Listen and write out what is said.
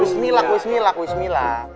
wismillah wismillah wismillah